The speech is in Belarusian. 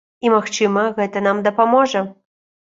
І магчыма, гэта нам дапаможа.